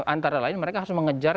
antara lain mereka harus mengejar